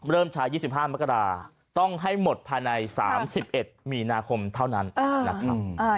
เริ่มใช้ยี่สิบห้านมกราคมต้องให้หมดภายในสามสิบเอ็ดมีนาคมเท่านั้นนะครับ